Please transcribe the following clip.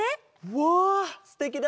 わあすてきだね！